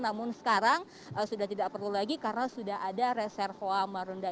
namun sekarang sudah tidak perlu lagi karena sudah ada reservoa marunda